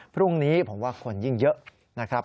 พรุ่งนี้ผมว่าคนยิ่งเยอะนะครับ